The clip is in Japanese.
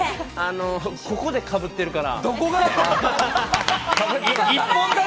ここでかぶってるから。